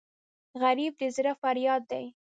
غریب د زړه فریاد دی